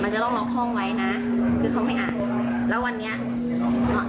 จะต้องล็อกห้องไว้นะคือเขาไม่อ่านแล้ววันนี้อ่า